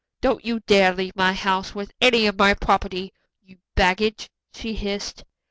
"Don't you dare leave my house with any of my property, you baggage," she hissed.